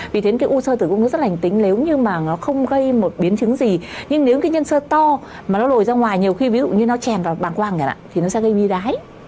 vì thế u sơ tử cung rất lành tính nếu như không gây biến chứng gì nhưng nếu nhân sơ to mà nó lồi ra ngoài nhiều khi nó chèm vào bằng quàng thì nó sẽ gây vi đá